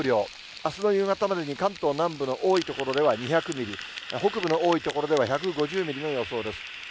あすの夕方までに、関東南部の多い所では２００ミリ、北部の多い所では１５０ミリの予想です。